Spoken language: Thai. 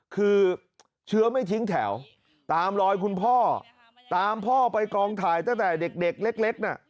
คือเชื้อไม่ทิ้งแถวตามรอยคุณพ่อตามพ่อไปกองถ่ายตั้งแต่เด็กเล็กน่ะ